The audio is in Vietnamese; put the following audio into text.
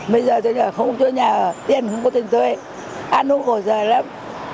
bây giờ tôi không có chỗ nhà ở tiền không có tiền thuê ăn không có giờ lắm